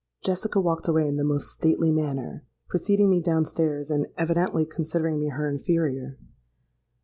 "Jessica walked away in the most stately manner, preceding me down stairs, and evidently considering me her inferior.